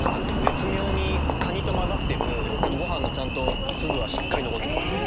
絶妙にカニと交ざってでもご飯のちゃんと粒はしっかり残ってます。